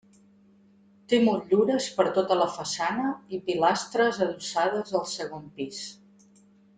Té motllures per tota la façana i pilastres adossades al segon pis.